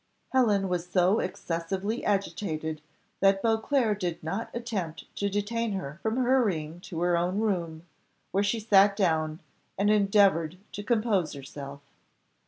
Helen was so excessively agitated that Beauclerc did not attempt to detain her from hurrying to her own room, where she sat down, and endeavoured to compose herself.